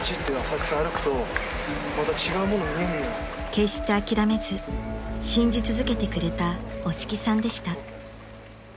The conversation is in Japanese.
［決して諦めず信じ続けてくれた押木さんでした］